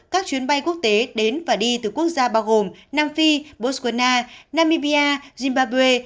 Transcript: các chuyến bay quốc tế đến và đi từ quốc gia bao gồm nam phi botswana namibia zimbabwe